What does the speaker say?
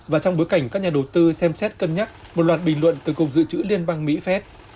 và trong bối cảnh các nhà đầu tư xem xét cân nhắc một loạt bình luận từ cục dự trữ liên bang mỹ phép